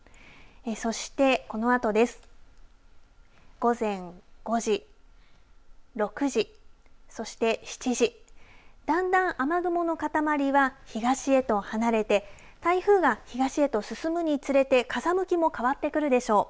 午前５時、６時そして７時だんだん雨雲の塊は東へと離れて台風が東へと進むにつれて風向きも変わってくるでしょう。